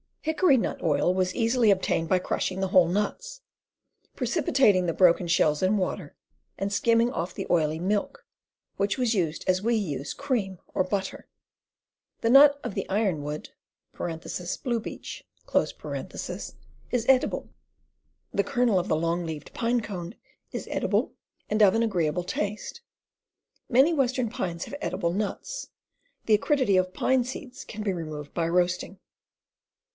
Hickory nut oil was easily obtained by crushing the whole nuts, precipitating the broken shells in water, and skimming off the oily * milk," which was used as we use cream or butter. The nut of the ironwood (blue beech) is edible. The kernel of the long leaved pine cone is edible and of an agreeable taste. Many western pines have edible "nuts." Tne acridity of pine seeds can be removed by roastmg.